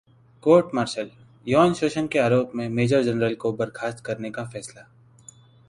Court Martial: यौन शोषण के आरोप में मेजर जनरल को बर्खास्त करने का फैसला